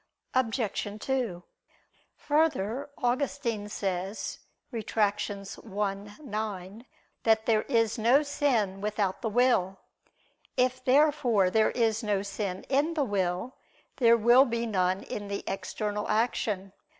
Obj. 2: Further, Augustine says (Retract. i, 9) that there is no sin without the will. If therefore there is no sin in the will, there will be none in the external action.